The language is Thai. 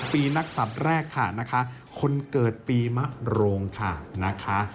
ปีนักศัตริย์แรกค่ะคนเกิดปีมะโรงค่ะ